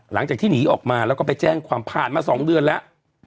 หลังจากที่หนีออกมาแล้วก็ไปแจ้งความผ่านมา๒เดือนแล้ว